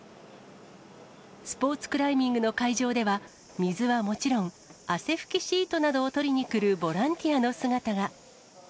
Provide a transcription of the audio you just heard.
スポーツクライミングの会場では、水はもちろん、汗拭きシートなどを取りに来るボランティアの姿が。